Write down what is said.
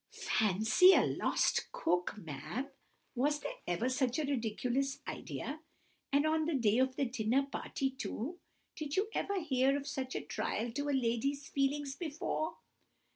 "Fancy a lost cook, ma'am! Was there ever such a ridiculous idea? And on the day of a dinner party too! Did you ever hear of such a trial to a lady's feelings before?"